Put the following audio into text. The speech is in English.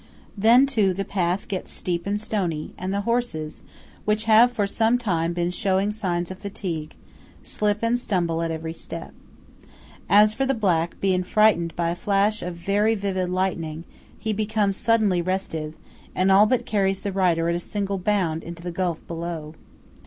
Then, too, the path gets steep and stony, and the horses, which have for some time been showing signs of fatigue, slip and stumble at every step. As for the black, being frightened by a flash of very vivid lightning, he becomes suddenly restive, and all but carries the writer at a single bound into the gulf below.